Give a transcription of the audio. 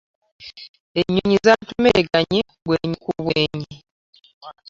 Ennyonnyi z'atomereganye bwenyi ku bwenyi.